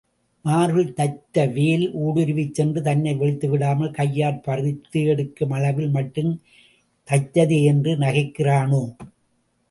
மார்பில் தைத்த வேல் ஊடுருவிச் சென்று தன்னை வீழ்த்திவிடாமல் கையாற் பறித்து எடுக்கும் அளவில் மட்டும் தைத்ததேயென்று நகைக்கிறானோ?